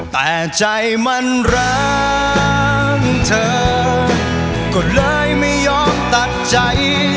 แต่ใจมันรักเธอก็เลยไม่ยอมตัดใจ